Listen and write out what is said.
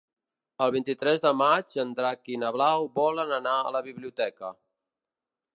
El vint-i-tres de maig en Drac i na Blau volen anar a la biblioteca.